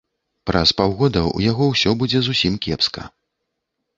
Праз паўгода ў яго ўсё будзе зусім кепска.